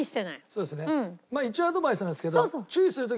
そうですね。